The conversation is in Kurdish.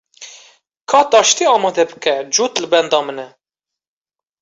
Ka taştê amade bike, cot li benda min e.